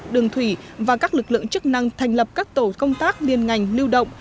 đường thủy và các lực lượng chức năng thành lập các tổ công tác liên ngành lưu động